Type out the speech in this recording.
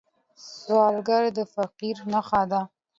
سوالګر د فقر نښه ده